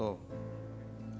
wasono mengaten atur pasrah kaulo